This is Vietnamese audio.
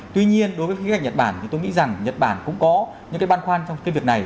tuy nhiên đối với khía cạnh nhật bản thì tôi nghĩ rằng nhật bản cũng có những cái băn khoan trong cái việc này